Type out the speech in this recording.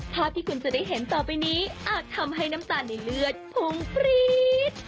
ภาพที่คุณจะได้เห็นต่อไปนี้อาจทำให้น้ำตาลในเลือดพุ่งปรี๊ด